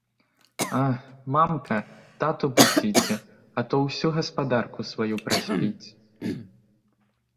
А, мамка, тату будзіце, а то ўсю гаспадарку сваю праспіць.